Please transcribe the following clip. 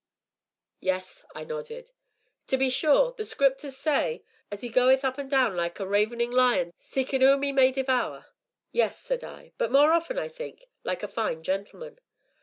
"Yes," I nodded. "To be sure, the Scripters say as 'e goeth up an' down like a ravening lion seekin' whom 'e may devour." "Yes," said I, "but more often, I think, like a fine gentleman!"